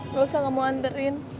nggak usah kamu anterin